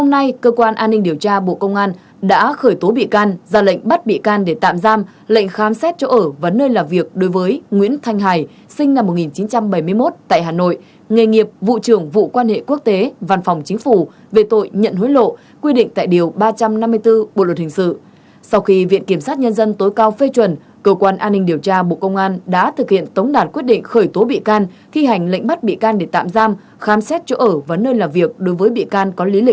theo liên quan đến vụ án xảy ra tại cục lãnh sự bộ ngoại giao cơ quan an ninh điều tra bộ công an vừa khởi tố bị can bắt tạm giam thêm một đối tượng về tội nhận hối lộ